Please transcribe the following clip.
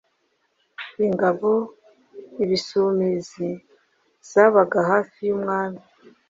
Ingabo ‘Ibisumizi’ zabaga hafi y’umwami